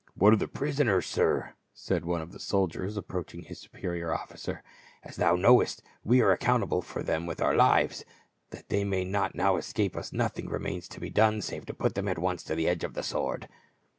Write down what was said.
"What of the prisoners, sir," said one of the sol diers, approaching his superior officer. " As thou knowest we are accountable for them with our lives. That they may not now escape us, nothing remains to be done save to put them at once to the edge of the sword."